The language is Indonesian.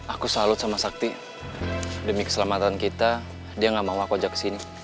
aku salut sama sakti demi keselamatan kita dia nggak mau aku ajak ke sini